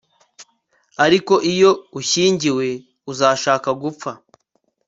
ariko iyo ushyingiwe, uzashaka gupfa